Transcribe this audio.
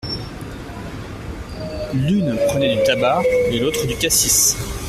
L’une prenait du tabac… et l’autre du cassis…